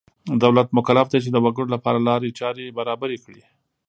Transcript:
دولت مکلف دی چې د وګړو لپاره لارې چارې برابرې کړي.